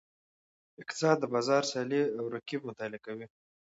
اقتصاد د بازار سیالۍ او رقیبت مطالعه کوي.